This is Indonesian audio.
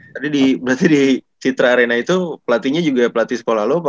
tadi di berarti di citra arena itu pelatihnya juga pelatih sekolah lo apa